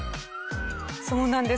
そうなんです